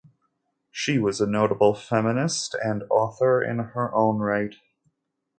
She was a notable feminist and author in her own right.